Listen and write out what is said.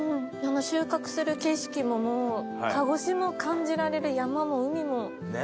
あの収穫する景色も鹿児島を感じられる山も海も。